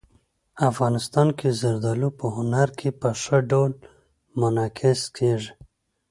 افغانستان کې زردالو په هنر کې په ښه ډول منعکس کېږي.